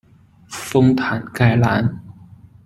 丰坦盖兰。